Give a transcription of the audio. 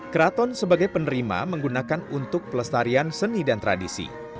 keraton sebagai penerima menggunakan untuk pelestarian seni dan tradisi